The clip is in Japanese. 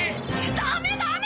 ダメダメ！